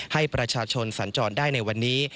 ให้ประชาชนสัญจรได้ในวันนี้